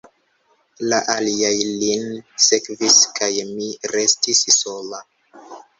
La aliaj lin sekvis, kaj mi restis sola.